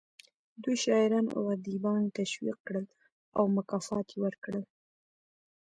دوی شاعران او ادیبان تشویق کړل او مکافات یې ورکړل